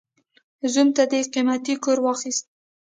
زوم ته دې قيمتي کور واخيست.